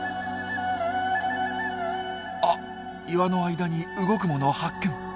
あっ岩の間に動くもの発見。